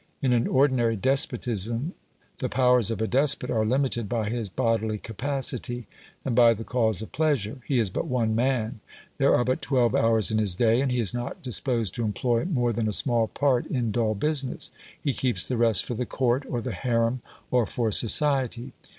In an ordinary despotism, the powers of a despot are limited by his bodily capacity, and by the calls of pleasure; he is but one man; there are but twelve hours in his day, and he is not disposed to employ more than a small part in dull business; he keeps the rest for the court, or the harem, or for society.